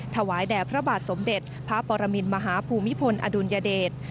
ถวายแด่พระบาทสมเด็จพระปรมินมหาภูมิพลอดุลยเดช